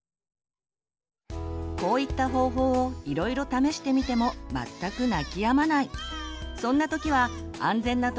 こういった方法をいろいろ試してみても全く泣きやまない！